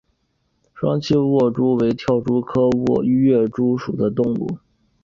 双栖跃蛛为跳蛛科跃蛛属的动物。